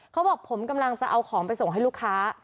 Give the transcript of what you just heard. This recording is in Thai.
เขาบอกผมกำลังจะเอาของไปส่งให้ลูกค้า